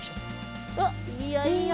おっいいよいいよ。